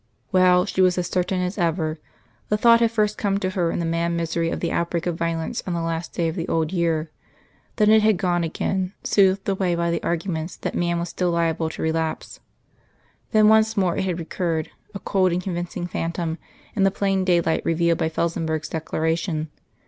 Well, she was as certain as ever. The thought had first come to her in the mad misery of the outbreak of violence on the last day of the old year. Then it had gone again, soothed away by the arguments that man was still liable to relapse. Then once more it had recurred, a cold and convincing phantom, in the plain daylight revealed by Felsenburgh's Declaration.